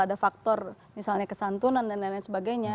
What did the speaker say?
ada faktor misalnya kesantunan dan lain lain sebagainya